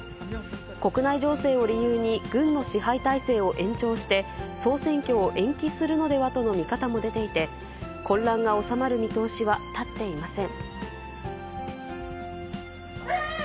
国内情勢を理由に、軍の支配体制を延長して、総選挙を延期するのではとの見方も出ていて、混乱が収まる見通しは立っていません。